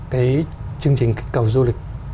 cái chương trình kích cầu du lịch